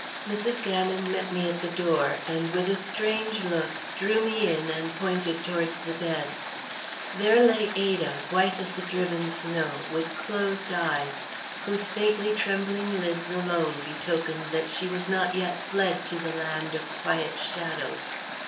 Mrs. Gannon met me at the door, and with a strange look, drew me in and pointed towards the bed. There lay Ada, white as the driven snow, with closed eyes, whose faintly trembling lids alone betokened that she was not yet fled to the land of quiet shadows.